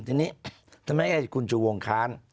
ทีนี้ทำไมคุณชูวงค้าน